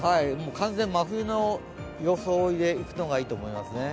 完全に真冬の装いで行くのがいいと思いますね。